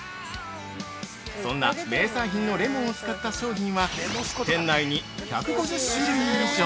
そんな名産品のレモンを使った商品は、店内に１５０種類以上。